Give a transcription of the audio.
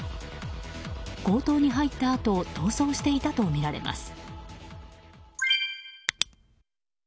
強盗に入ったあと逃走していたとみられます。